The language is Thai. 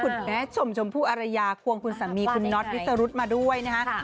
คุณแม่ชมชมพู่อารยาควงคุณสามีคุณน็อตวิสรุธมาด้วยนะฮะ